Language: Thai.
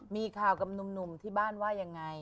มีข่าวกับหนุ่มที่บ้านว่ายังไง